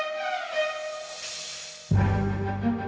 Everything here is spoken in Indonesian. dia sama renang juga